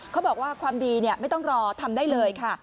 เขาบอกว่าความดีไม่ต้องรอทำได้เลยค่ะ